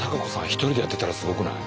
一人でやってたらすごくない？